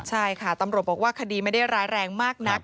ใช่ค่ะตำรวจบอกว่าคดีไม่ได้ร้ายแรงมากนัก